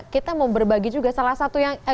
kita mau berbagi juga salah satu yang